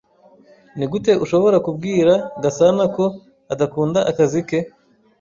Nigute ushobora kubwira Gasanako adakunda akazi ke?